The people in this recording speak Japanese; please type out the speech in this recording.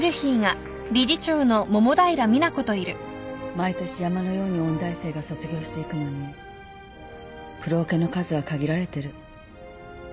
毎年山のように音大生が卒業していくのにプロオケの数は限られてる。